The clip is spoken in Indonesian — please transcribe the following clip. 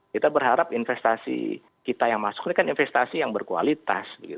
kita berharap investasi kita yang masuk ini kan investasi yang berkualitas